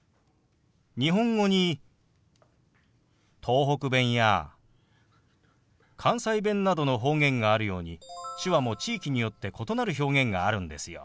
日本語に東北弁や関西弁などの方言があるように手話も地域によって異なる表現があるんですよ。